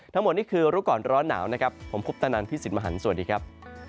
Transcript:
ทั้งหมดนี่คือรุ่นก่อนร้อนหนาวผมคุบตะนันท์พี่ศิลปัฒนสวัสดีครับ